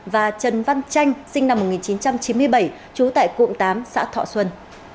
và trần văn tranh sinh năm một nghìn chín trăm chín mươi bảy trú tại cụm tám xã thọ xuân